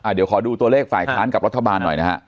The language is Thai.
เดี๋ยวขอดูตัวเลขฝ่ายค้านกับรัฐบาลหน่อยนะฮะ